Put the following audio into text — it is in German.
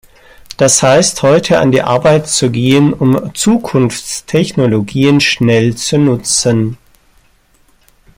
Das heißt, heute an die Arbeit zu gehen, um Zukunftstechnologien schnell zu nutzen.